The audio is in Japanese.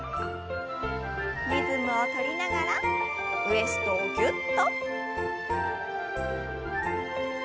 リズムを取りながらウエストをぎゅっと。